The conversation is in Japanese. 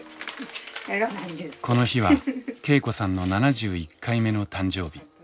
この日は恵子さんの７１回目の誕生日。